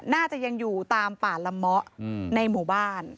น่าจะยังอยู่ตามป่าละเมาะในหมู่บ้าน